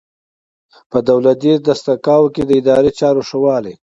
په دولتي دستګاه کې د اداري چارو ښه والی.